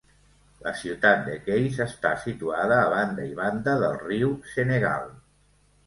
La ciutat de Kayes està situada a banda i banda del riu Senegal.